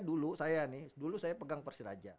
dulu saya nih dulu saya pegang persiraja